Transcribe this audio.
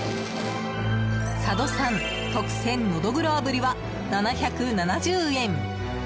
佐渡産特選のどぐろ炙りは７７０円。